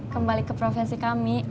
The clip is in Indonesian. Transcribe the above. kembali ke profesi kami